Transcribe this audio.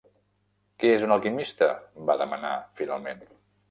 "Què és un alquimista?", va demanar finalment.